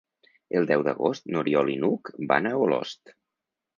El deu d'agost n'Oriol i n'Hug van a Olost.